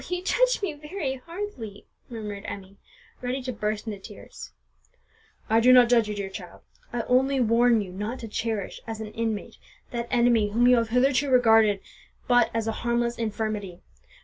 '" "Uncle, you judge me very hardly," murmured Emmie, ready to burst into tears. "I do not judge you, dear child; I only warn you not to cherish, as an inmate, that enemy whom you have hitherto regarded but as a harmless infirmity.